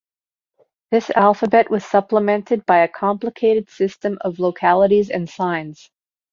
This alphabet was supplemented by a complicated system of localities and signs.